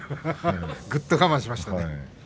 ぐっと我慢しました。